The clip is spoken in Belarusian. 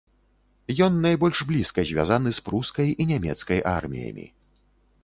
Ён найбольш блізка звязаны з прускай і нямецкай арміямі.